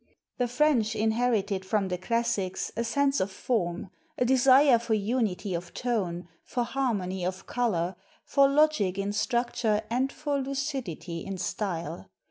The French inherited from the classics a sense of form, a desire for unity of tone, for harmony of color, for logic in structure and for lucidity in style.